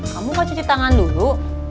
kamu mau cuci tangan dulu